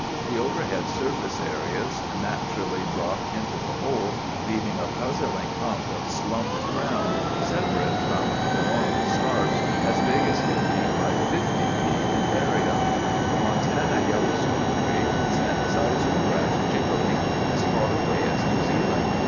The overhead surface areas naturally drop into the hole, leaving a puzzling hunk of slumped ground—separate from the normal scarps—as big as 15 × 50 ft. in area. The Montana Yellowstone quake sent seismographs jiggling as far away as New Zealand.